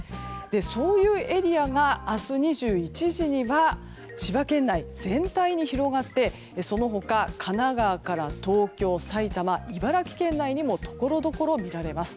そういうエリアが明日２１時には千葉県内全体に広がってその他、神奈川から東京、さいたま、茨城県内にもところどころ見られます。